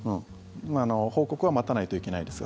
報告は待たないといけないですが。